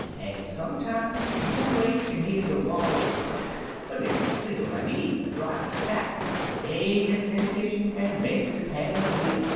An' sometimes you'll wake an' hear de wall crack. But it's Flee ter my Knee a drivin' a tack; Dey gits in de kitchen an' makes de pans leak.